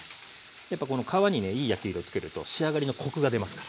やっぱこの皮にねいい焼き色つけると仕上がりのコクが出ますから。